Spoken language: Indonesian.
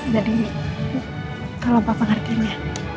jadi kalau papa ngertiin ya